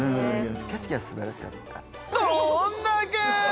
景色はすばらしかった。